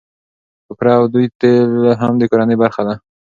کوپره او دوی تېل هم د کورنۍ برخه ده.